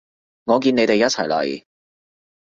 我見你哋一齊嚟